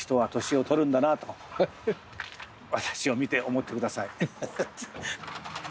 私を見て思ってください。